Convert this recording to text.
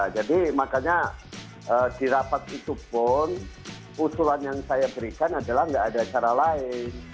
jadi makanya di rapat itu pun usulan yang saya berikan adalah tidak ada cara lain